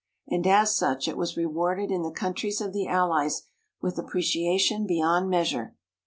And as such it was rewarded in the countries of the Allies with appreciation beyond measure.